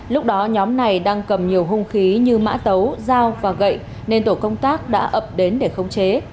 lúc đó nhóm này đang cầm nhiều hung khí như mã tấu dao và gậy nên tổ công tác đã ập đến để khống chế